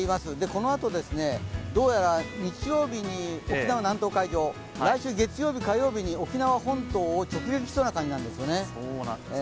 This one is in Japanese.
このあとどうやら日曜日に沖縄南東海上、来週月曜日、火曜日に沖縄本島を直撃しそうな感じなんですよね。